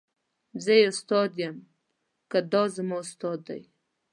زه یې استاد یم که دای زما استاد دی.